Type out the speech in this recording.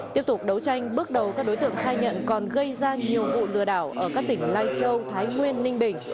tiếp tục đấu tranh bước đầu các đối tượng khai nhận còn gây ra nhiều vụ lừa đảo ở các tỉnh lai châu thái nguyên ninh bình